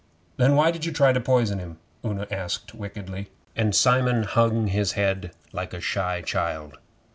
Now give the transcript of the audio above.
'Then why did you try to poison him?' Una asked wickedly, and Simon hung his head like a shy child.